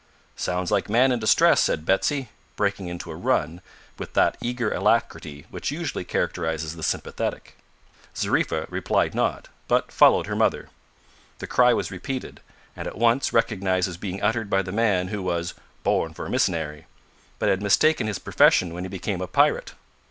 "Sounds like man in distress," said Betsy, breaking into a run with that eager alacrity which usually characterises the sympathetic. Zariffa replied not, but followed her mother. The cry was repeated, and at once recognised as being uttered by the man who was "born for a mis'nary," but had mistaken his profession when he became a pirate!